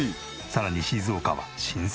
さらに静岡は。